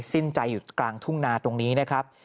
สิ้นใจอยู่กลางทุ่งนาตรงนี้นะครับ